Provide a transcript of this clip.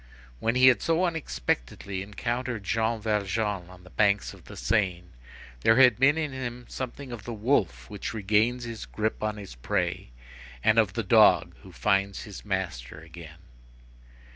When he had so unexpectedly encountered Jean Valjean on the banks of the Seine, there had been in him something of the wolf which regains his grip on his prey, and of the dog who finds his master again.